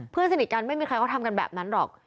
เพื่อนสนิทกันไม่มีใครเขาทำกันแบบนั้นหรอก